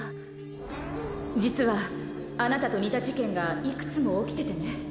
ジュンサー：実はあなたと似た事件がいくつも起きててね。